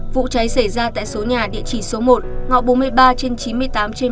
vụ cháy xảy ra tại số nhà địa chỉ số một ngõ bốn mươi ba trên chín mươi tám trên một